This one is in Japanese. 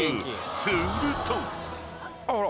［すると］